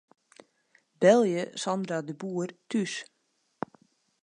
Belje Sandra de Boer thús.